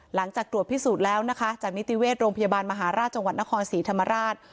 หลังจากตรวจพิสูจน์แล้วนะคะจากนิติเวชโรงพยาบาลมหาราชจังหวัดนครศรีธรรมราช